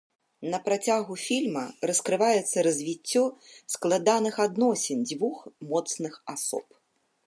На працягу фільма раскрываецца развіццё складаных адносін дзвюх моцных асоб.